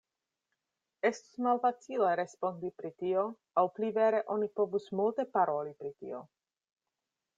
Estus malfacile respondi pri tio, aŭ pli vere oni povus multe paroli pri tio.